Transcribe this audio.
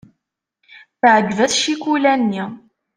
Teɛjeb-as ccikula-nni.